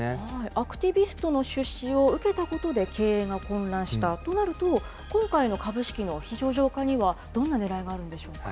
アクティビストの出資を受けたことで経営が混乱した、となると、今回の株式の非上場化には、どんなねらいがあるんでしょうか。